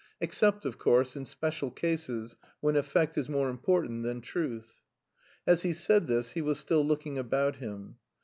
except, of course, in special cases when effect is more important than truth." (As he said this he was still looking about him.)